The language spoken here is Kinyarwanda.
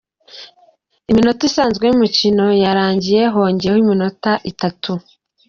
Iminota isanzwe y’umukino yarangiye hongeweho iminota itatu.